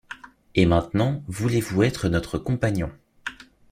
Et maintenant, voulez-vous être notre compagnon